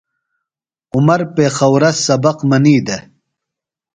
عمر پیخورہ سبق منی دےۡ۔